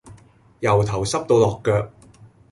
由頭濕到落腳